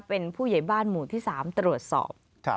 เป็นผู้ใหญ่บ้านหมู่ที่๓ตรวจสอบ